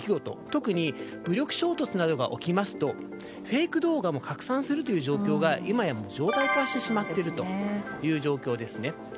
特に武力衝突などが起きますとフェイク動画を拡散するという状況が今や常態化してしまっている状況です。